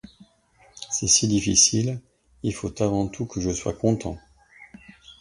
C'est si difficile, il faut avant tout que je sois content.